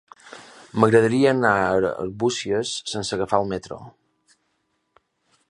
M'agradaria anar a Arbúcies sense agafar el metro.